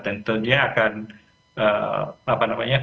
dan tentunya akan bernampak pada ekonomi indonesia juga